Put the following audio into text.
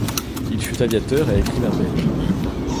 Il fut aviateur et écrivain belge.